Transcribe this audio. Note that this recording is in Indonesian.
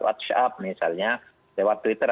whatsapp misalnya lewat twitter